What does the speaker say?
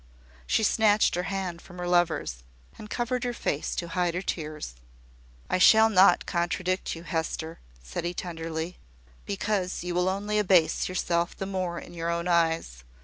She snatched her hand from her lover's, and covered her face to hide her tears. "I shall not contradict you, Hester," said he, tenderly, "because you will only abase yourself the more in your own eyes.